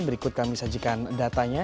berikut kami sajikan datanya